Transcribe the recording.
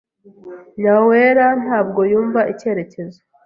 Nyawera ntabwo yumva icyerekezo.